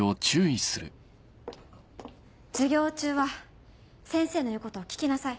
授業中は先生の言うことを聞きなさい。